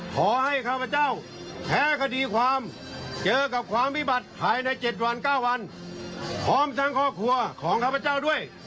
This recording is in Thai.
ข้าพเจ้าแพ้คดีความเจอกับความวิบัติภายใน๗วัน๙วันพร้อมทั้งครอบครัวของข้าพเจ้าด้วย